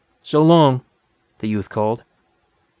"So long," the youth called.